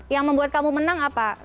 yang membuat kamu menang apa